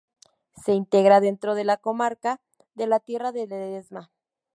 Se integra dentro de la comarca de la Tierra de Ledesma.